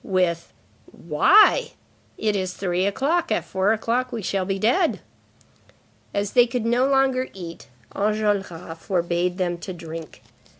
with: "Why? It is three o'clock; at four we shall be dead." As they could no longer eat, Enjolras forbade them to drink.